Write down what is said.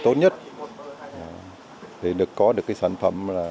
tốt nhất để có được cái sản phẩm